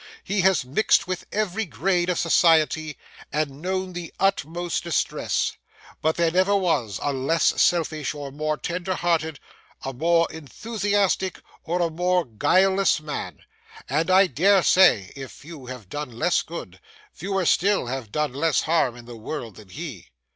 He has mixed with every grade of society, and known the utmost distress; but there never was a less selfish, a more tender hearted, a more enthusiastic, or a more guileless man; and I dare say, if few have done less good, fewer still have done less harm in the world than he.